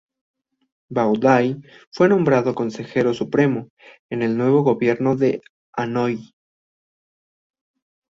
Bảo Đại fue nombrado "consejero supremo" en el nuevo gobierno de Hanói.